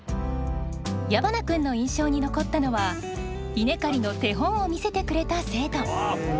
矢花君の印象に残ったのは稲刈りの手本を見せてくれた生徒。